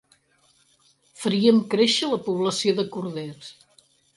Faríem créixer la població de corders.